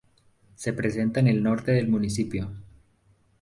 Se presenta en el Norte del Municipio.